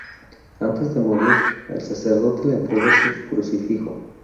Antes de morir, el sacerdote le entregó su crucifijo.